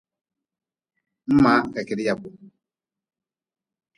Mʼmaa ka kedi kpam.